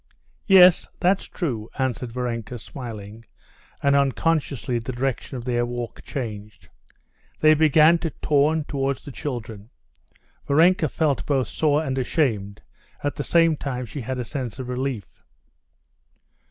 "Yes, that's true," answered Varenka smiling, and unconsciously the direction of their walk changed. They began to turn towards the children. Varenka felt both sore and ashamed; at the same time she had a sense of relief.